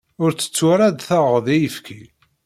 Ur tettu ara ad d-taɣeḍ ayefki.